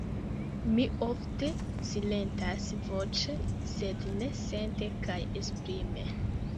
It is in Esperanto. Mi ofte silentas voĉe, sed ne sente kaj esprime.